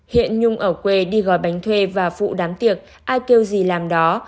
hiện nhung ở quê đi gói bánh thuê và phụ đám tiệc ai kêu gì làm đó